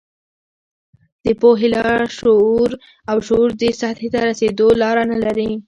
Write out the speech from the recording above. د پوهې او شعور دې سطحې ته رسېدو لاره نه لري.